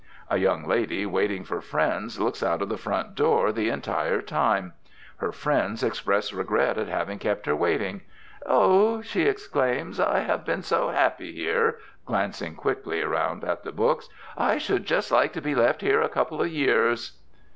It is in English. A young lady waiting for friends looks out of the front door the entire time. Her friends express regret at having kept her waiting. "Oh!" she exclaims, "I have been so happy here" glancing quickly around at the books "I should just like to be left here a couple of years."